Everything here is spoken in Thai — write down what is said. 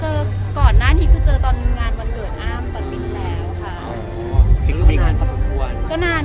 เจอก่อนหน้านี้คือเจองานวันเกิดอ้ามตัวลิ้นแล้ว